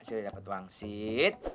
sudah dapat wangsit